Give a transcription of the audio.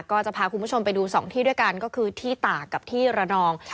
ก็จะพาคุณผู้ชมไปดู๒ที่ด้วยกันก็คือที่ตากกับที่ระนอง